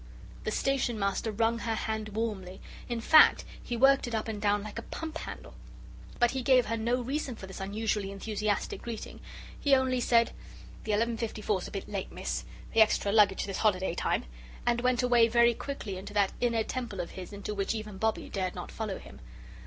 The Station Master wrung her hand warmly. In fact he worked it up and down like a pump handle. But he gave her no reason for this unusually enthusiastic greeting. He only said: "The 11.54's a bit late, Miss the extra luggage this holiday time," and went away very quickly into that inner Temple of his into which even Bobbie dared not follow him.